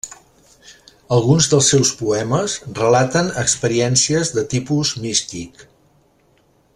Alguns dels seus poemes relaten experiències de tipus místic.